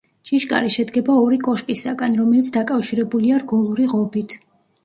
ჭიშკარი შედგება ორი კოშკისაგან, რომელიც დაკავშირებულია რგოლური ღობით.